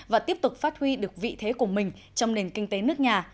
và tiếp tục phát huy được vị thế của mình trong nền kinh tế nước nhà